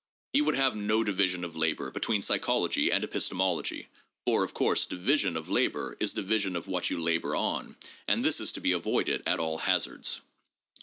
He would have no division of labor between psychology and epistemology, for, of course, division of labor is division of what you labor on, and this is to be avoided at all hazards.